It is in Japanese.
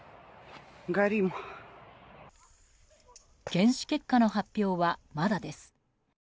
検視結果の発表は、まだです。